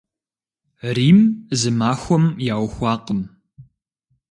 Рим зы махуэм яухуакъым.